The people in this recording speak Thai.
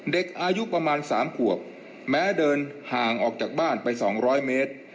เด็กอายุประมาณ๓ขวบแม้เดินห่างออกจากบ้านไป๒๐๐เมตร